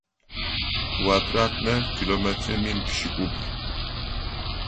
Квадратнэ километрэ мин пшӏыкӏубл.